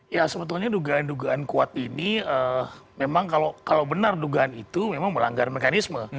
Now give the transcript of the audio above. ya sebetulnya dugaan dugaan kuat ini memang kalau benar dugaan itu memang melanggar mekanisme